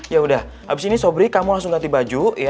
ya udah abis ini sobri kamu langsung ganti baju